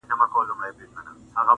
لټول یې په قران کي آیتونه,